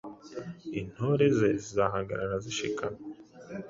intore Ze zizahagarara zishikamye.